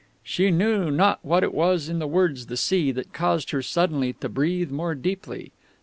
She knew not what it was in the words "the sea" that caused her suddenly to breathe more deeply.